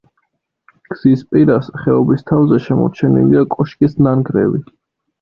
გზის პირას, ხეობის თავზე შემორჩენილია კოშკის ნანგრევი.